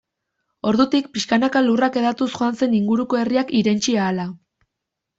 Ordutik pixkanaka lurrak hedatuz joan zen inguruko herriak irentsi ahala.